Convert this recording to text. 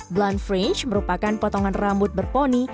blunt fringe merupakan potongan rambut berponi